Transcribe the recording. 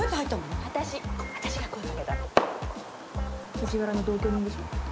藤原の同居人でしょ？